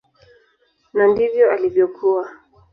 Na ndivyo ilivyokuwa.